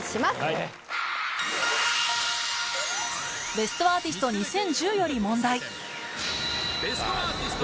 『ベストアーティスト２０１０』より問題